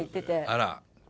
あら。